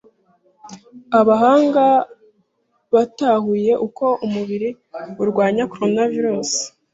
Abahanga batahuye uko umubiri urwanya coronavirus